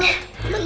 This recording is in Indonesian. bambang an haji